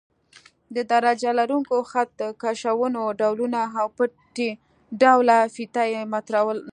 د درجه لرونکو خط کشونو ډولونه او پټۍ ډوله فیته یي مترونه.